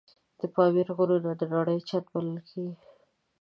د پامیر غرونه د نړۍ چت بلل کېږي.